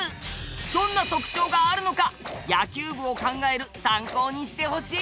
どんな特徴があるのか野球部を考える参考にしてほしいっす！